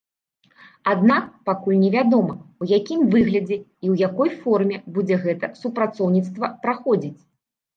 Аднак, пакуль невядома, у якім выглядзе і ў якой форме будзе гэтае супрацоўніцтва праходзіць.